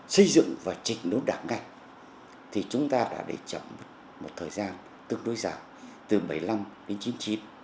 xây dựng và chỉnh đối đảng ngành thì chúng ta đã để chậm một thời gian tương đối dài từ một nghìn chín trăm bảy mươi năm đến một nghìn chín trăm chín mươi chín